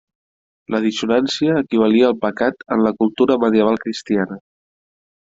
La dissonància equivalia al pecat en la cultura medieval cristiana.